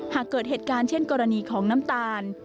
หากเกิดเหตุการณ์เช่นกรณีของน้ำตาล